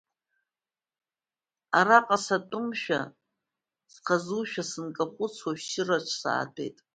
Араҟа сатәымшәа, схазушәа, сынкахәыцуа ашәшьыраҿ саатәеит.